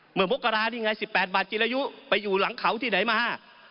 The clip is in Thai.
มกรานี่ไง๑๘บาทจิรยุไปอยู่หลังเขาที่ไหนมา